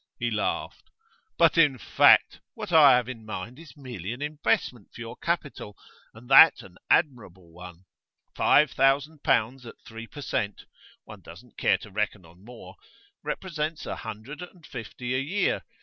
He laughed. 'But, in fact, what I have in mind is merely an investment for your capital, and that an admirable one. Five thousand pounds at three per cent. one doesn't care to reckon on more represents a hundred and fifty a year.